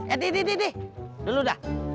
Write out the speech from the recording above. eh dih dulu dah